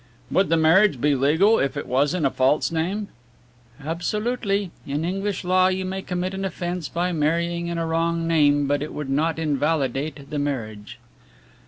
"Would the marriage be legal if it was in a false name?" "Absolutely. In English law you may commit an offence by marrying in a wrong name, but it would not invalidate the marriage."